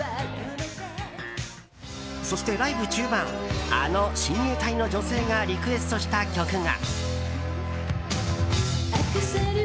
そしてライブ中盤あの親衛隊の女性がリクエストした曲が。